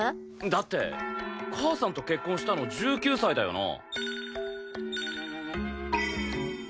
だって母さんと結婚したの１９歳だよな？